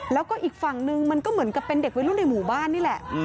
แล้วก็อีกฝั่งนึงมันก็เหมือนกับเป็นเด็กวัยรุ่นในหมู่บ้านนี่แหละ